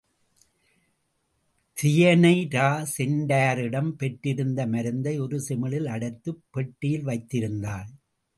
தியனைரா சென்டாரிடம் பெற்றிருந்த மருந்தை ஒரு சிமிழில் அடைத்துப் பெட்டியில் வைத்திருந்தாள்.